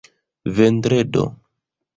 vendredo